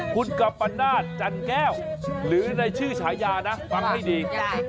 คุณกัปนาศจันแก้วหรือในชื่อฉายานะฟังให้ดี